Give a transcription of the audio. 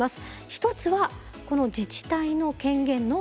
一つはこの自治体の権限の強化。